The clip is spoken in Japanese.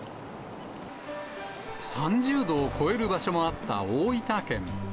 ３０度を超える場所もあった大分県。